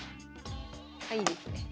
あいいですね。